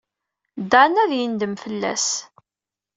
Dan ad yendem fell-as.